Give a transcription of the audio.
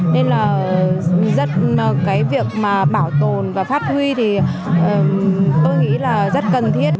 nên là việc bảo tồn và phát huy tôi nghĩ rất cần thiết